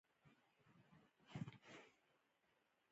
بېنډۍ له ساده مرچ او مالګه سره هم ښه ده